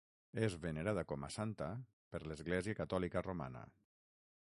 És venerada com a santa per l'Església Catòlica Romana.